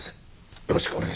よろしくお願いします。